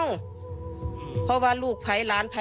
แม่จะมาเรียกร้องอะไร